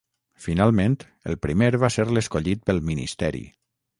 Finalment el primer va ser l'escollit pel Ministeri.